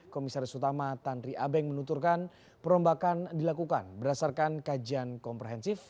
komisaris utama tanri abeng menuturkan perombakan dilakukan berdasarkan kajian komprehensif